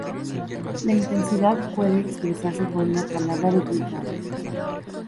La intensidad puede expresarse con una palabra duplicada.